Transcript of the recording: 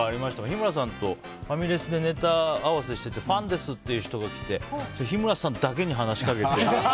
日村さんとファミレスでネタ合わせしててファンですって人が来て日村さんだけに話しかけて。